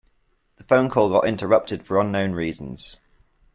The phone call got interrupted for unknown reasons.